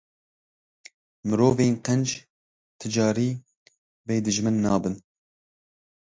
Mirovên qenc ti carî bêdijmin nabin.